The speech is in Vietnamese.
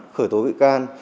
khởi tố vị can